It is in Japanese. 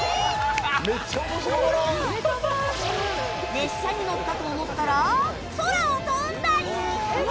列車に乗ったと思ったら空を飛んだり